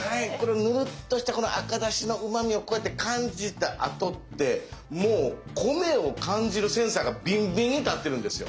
ぬるっとしたこの赤だしのうまみをこうやって感じたあとってもう米を感じるセンサーがビンビンに立ってるんですよ！